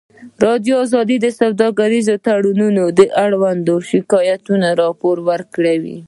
ازادي راډیو د سوداګریز تړونونه اړوند شکایتونه راپور کړي.